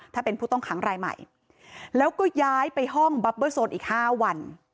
ถ้าเป็นผู้ต้องขังรายใหม่แล้วก็ย้ายไปห้องบับเบอร์โซนอีก๕วัน